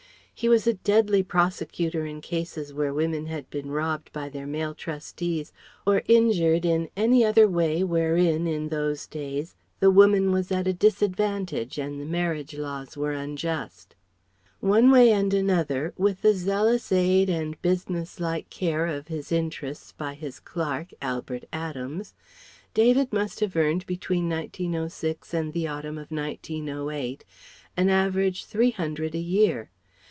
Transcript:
He was a deadly prosecutor in cases where women had been robbed by their male trustees, or injured in any other way wherein, in those days, the woman was at a disadvantage and the marriage laws were unjust. One way and another, with the zealous aid and business like care of his interests by his clerk, Albert Adams, David must have earned between 1906 and the autumn of 1908, an average Three hundred a year.